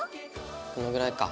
このぐらいか。